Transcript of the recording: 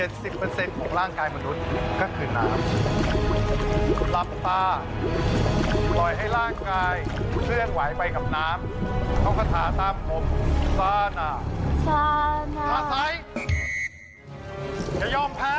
โอ๊ยแล้ววันนี้มันจะได้แปลงร่างกันเสร็จไหมเนี่ย